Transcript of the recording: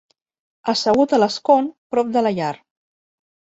Assegut a l'escon, prop de la llar.